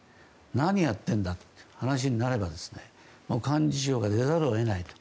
何やってるんだという話になれば幹事長が出ざるを得ないと。